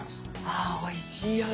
あおいしいよね。